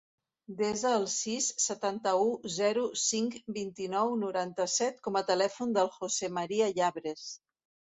Desa el sis, setanta-u, zero, cinc, vint-i-nou, noranta-set com a telèfon del José maria Llabres.